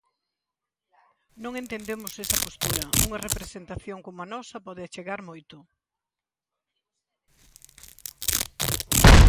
Non entendemos esa postura, unha representación como a nosa pode achegar moito.